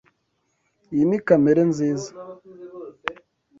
Iyi ni kamera nziza.